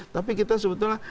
tapi kita sebetulnya